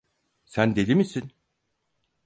Sen deli misin?